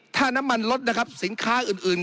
ถ้าน้ำมันลดนะครับสินค้าอื่น